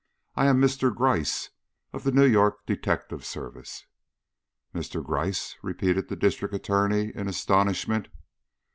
I am Mr. Gryce, of the New York Detective Service." "Mr. Gryce!" repeated the District Attorney, in astonishment.